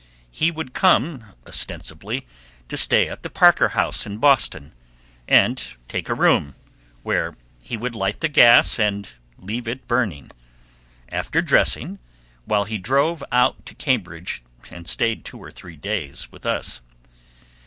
He would come ostensibly to stay at the Parker House, in Boston, and take a room, where he would light the gas and leave it burning, after dressing, while he drove out to Cambridge and stayed two or three days with us.